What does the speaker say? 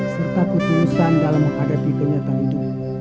serta ketulusan dalam menghadapi kenyataan itu